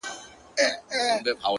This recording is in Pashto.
ماهېره که ـ